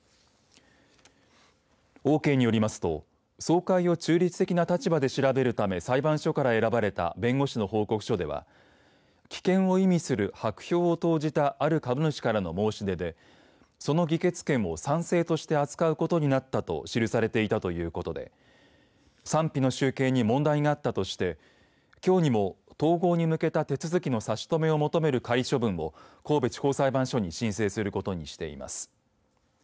オーケーによりますと総会を中立的な立場で調べるため裁判所から選ばれた弁護士の報告書では棄権を意味する白票を投じたある株主からの申し出でその議決権を賛成として扱うことになったと記されていたということで賛否の集計に問題があったとしてきょうにも統合に向けた手続きの差し止めを求める仮処分を神戸地方裁判所に申請することにしています。